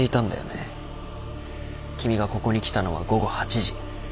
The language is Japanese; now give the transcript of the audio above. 君がここに来たのは午後８時。